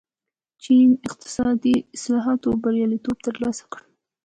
چین اقتصادي اصلاحاتو بریالیتوب ترلاسه کړ.